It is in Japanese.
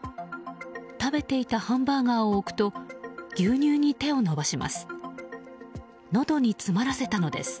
食べていたハンバーガーを置くと牛乳に手を伸ばします。